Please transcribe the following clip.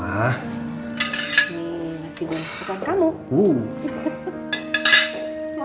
nih masih gue yang sekutukan kamu